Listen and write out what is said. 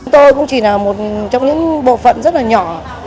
tôi cũng chỉ là một trong những bộ phận rất là nhỏ